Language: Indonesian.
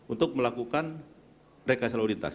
untuk melakukan rekayasa lalu lintas